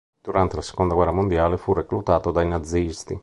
Durante la seconda guerra mondiale, fu reclutato dai nazisti.